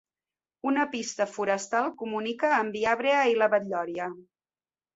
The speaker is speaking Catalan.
Una pista forestal comunica amb Viabrea i la Batllòria.